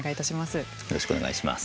よろしくお願いします。